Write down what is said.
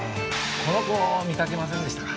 この子見かけませんでしたか？